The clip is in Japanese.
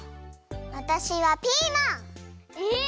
わたしはピーマン！え！？